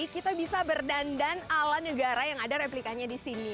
kita bisa berdandan ala negara yang ada replikanya disini